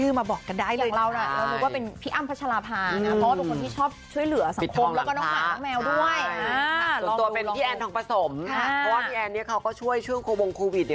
เพราะว่าพี่แอนนี่เขาก็ช่วยช่วงโควิด